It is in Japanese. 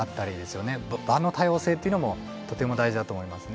場の多様性っていうのもとても大事だと思いますね。